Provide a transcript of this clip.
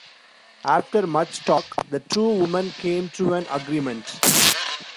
After much talk, the two women came to an agreement.